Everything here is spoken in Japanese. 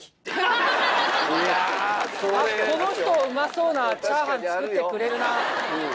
この人うまそうなチャーハン作ってくれるなっていう。